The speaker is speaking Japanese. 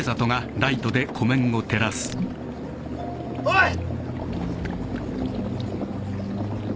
おい！